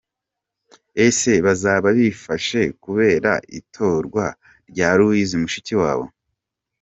Ese bazaba bifashe kubera itorwa rya Louise Mushikiwabo?